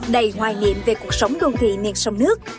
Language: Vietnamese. đầy hoài niệm về cuộc sống đô thị nền sông nước